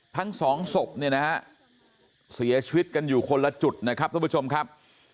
ทั้งสองศพเนี่ยนะฮะเสียชีวิตกันอยู่คนละจุดนะครับทุกผู้ชมครับ